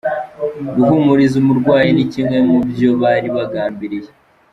Guhumuriza umurwayi ni kimwe mubyo bari bagambiriye.